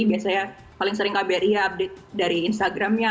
biasanya paling sering kbria update dari instagramnya